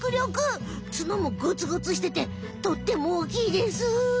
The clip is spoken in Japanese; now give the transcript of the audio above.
角もゴツゴツしててとっても大きいです！